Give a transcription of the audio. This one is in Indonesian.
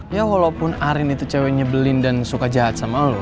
ya walaupun arin itu cewek nyebelin dan suka jahat sama lo